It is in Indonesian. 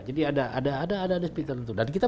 jadi ada speed tertentu dan kita